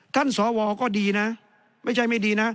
สวก็ดีนะไม่ใช่ไม่ดีนะ